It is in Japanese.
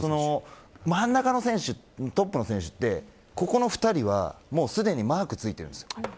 真ん中の選手、トップの選手ってここの２人はもうすでにマークがついています。